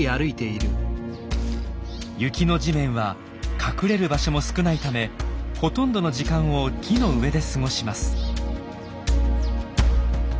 雪の地面は隠れる場所も少ないためほとんどの時間を木の上で過ごします。